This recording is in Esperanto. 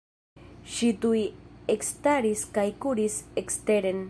Ŝi tuj ekstaris kaj kuris eksteren.